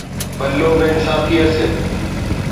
بھلو بے انصافی اسے